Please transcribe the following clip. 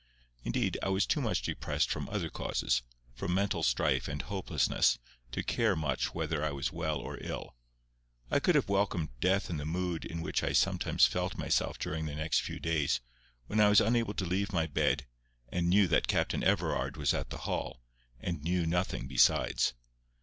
Indeed, I was too much depressed from other causes, from mental strife and hopelessness, to care much whether I was well or ill. I could have welcomed death in the mood in which I sometimes felt myself during the next few days, when I was unable to leave my bed, and knew that Captain Everard was at the Hall, and knew nothing besides.